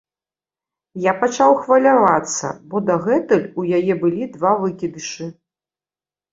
Я пачаў хвалявацца, бо дагэтуль у яе былі два выкідышы.